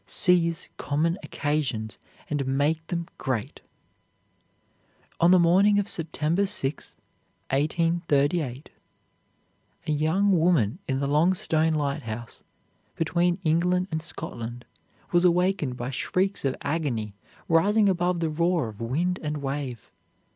Seize common occasions and make them great. On the morning of September 6, 1838, a young woman in the Longstone Lighthouse, between England and Scotland, was awakened by shrieks of agony rising above the roar of wind and wave.